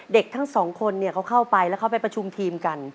เด็กทั้งสองคนเขาเข้าไปแล้วเขาไปประชุมทีมกัน